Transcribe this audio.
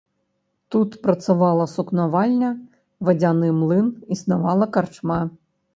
Тут працавала сукнавальня, вадзяны млын, існавала карчма.